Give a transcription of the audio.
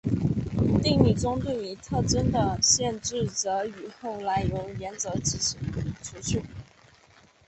定理中对于特征的限制则与后来由岩泽健吉和除去。